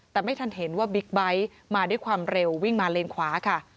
แต่ไม่ทันเห็นว่าบิ๊กไบท์มาด้วยความเร็ววิ่งมาเลนขวาค่ะ